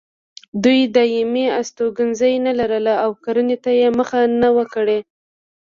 دوی دایمي استوګنځي نه لرل او کرنې ته یې مخه نه وه کړې.